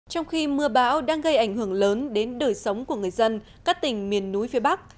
trong khi mưa bão đang gây ảnh hưởng lớn đến đời sống của người dân các tỉnh miền núi phía bắc